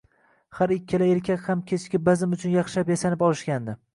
Har ikkala erkak ham kechki bazm uchun yaxshilab yasanib olishgandi